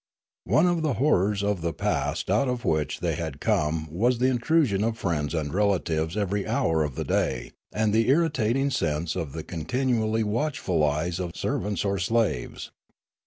One of the horrors of the past out of which they had come was the intrusion of friends and relatives every hour of the day, and the irritating sense of the continually watchful eyes of servants or slaves.